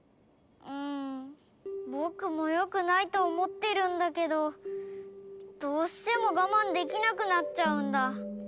うんぼくもよくないとおもってるんだけどどうしてもがまんできなくなっちゃうんだ。